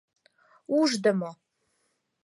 «Ушдымо!